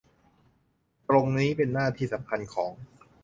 ตรงนี้เป็นหน้าที่สำคัญของ